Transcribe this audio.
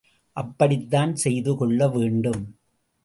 அப்படித்தான் செய்துகொள்ள வேண்டும்.